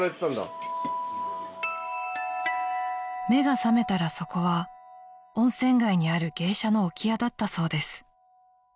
［目が覚めたらそこは温泉街にある芸者の置屋だったそうです］